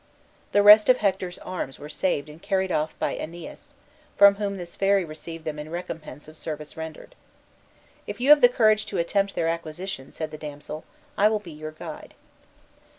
The rest of Hector's arms were saved and carried off by Aeneas, from whom this fairy received them in recompense of service rendered. 'If you have the courage to attempt their acquisition,' said the damsel, 'I will be your guide.'"